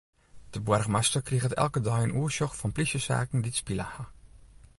De boargemaster kriget elke dei in oersjoch fan plysjesaken dy't spile ha.